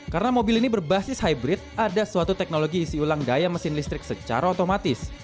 karena mobil ini berbasis hybrid ada suatu teknologi isi ulang daya mesin listrik secara otomatis